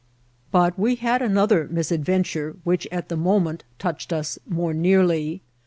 But we had another misadventure, which, at the moment, touched us more nearly.